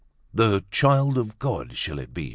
"The 'Child of God,' shall it be?"